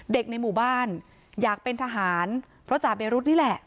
ในหมู่บ้านอยากเป็นทหารเพราะจ่าเบรุษนี่แหละ